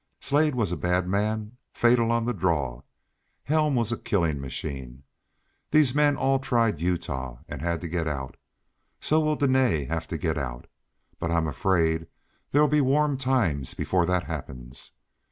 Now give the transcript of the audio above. Slade was a bad man, fatal on the draw. Helm was a killing machine. These men all tried Utah, and had to get out. So will Dene have to get out. But I'm afraid there'll be warm times before that happens.